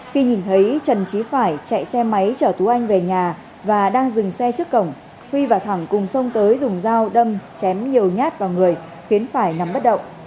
khi nhìn thấy trần trí phải chạy xe máy chở tú anh về nhà và đang dừng xe trước cổng huy và thẳng cùng sông tới dùng dao đâm chém nhiều nhát vào người khiến phải nằm bất động